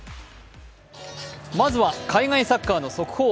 まずは海外サッカーの速報。